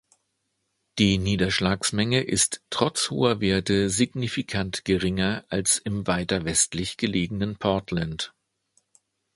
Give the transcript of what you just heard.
Die Niederschlagsmenge ist trotz hoher Werte signifikant geringer als im weiter westlich gelegenen Portland.